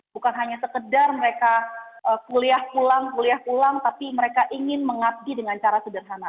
bukan hanya sekedar mereka kuliah pulang kuliah pulang tapi mereka ingin mengabdi dengan cara sederhana